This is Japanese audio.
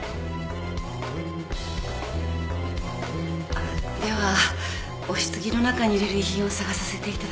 あっではお棺の中に入れる遺品を探させていただきます。